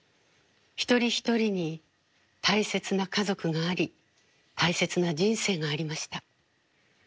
一人一人に大切な家族があり大切な人生がありました。